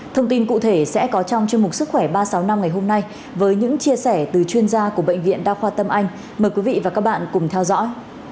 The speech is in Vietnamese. thông tin cụ thể sẽ có trong chương mục sức khỏe ba trăm sáu mươi năm ngày hôm nay với những chia sẻ từ chuyên gia của bệnh viện đa khoa tâm anh mời quý vị và các bạn cùng theo dõi